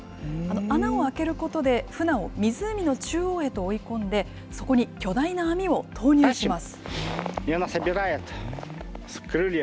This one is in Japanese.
穴を開けることで、フナを湖の中央へと追い込んで、そこに巨大な網を投入します。